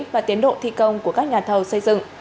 và tiến độ thi công của các nhà thầu xây dựng